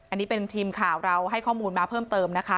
อันนี้เป็นทีมข่าวเราให้ข้อมูลมาเพิ่มเติมนะคะ